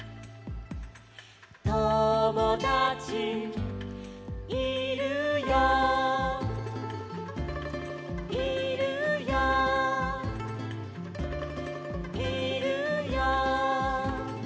「ともだちいるよいるよいるよ」